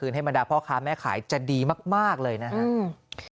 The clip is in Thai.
ให้บรรดาพ่อค้าแม่ขายจะดีมากเลยนะครับ